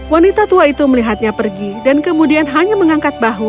wanita tua itu melihatnya pergi dan kemudian hanya mengangkat bahu